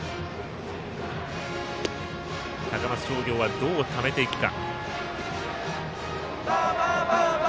高松商業は、どうためていくか。